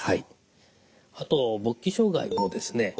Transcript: あと勃起障害もですね